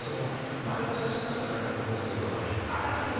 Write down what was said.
迷ってらっしゃったんじゃないかと思うんですけど。